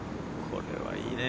これはいいね。